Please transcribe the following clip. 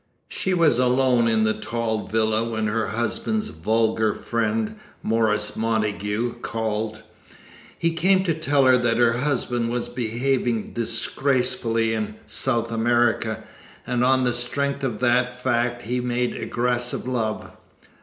She was alone in the Tall Villa when her husband's vulgar friend, Morris Montagu, called. He came to tell her that her husband was behaving disgracefully in South America, and on the strength of that fact he made aggressive love.